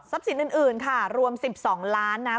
ทรัพย์สินอื่นค่ะรวม๑๒ล้านนะครับ